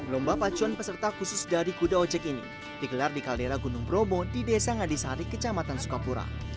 lomba pacuan peserta khusus dari kuda ojek ini digelar di kaldera gunung bromo di desa ngadisari kecamatan sukapura